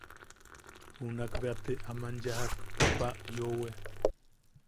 Junakbea te aman yajak papa yoʼowe.